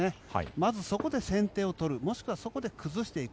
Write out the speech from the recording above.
まず、そこで先手を取るもしくはそこで崩していく。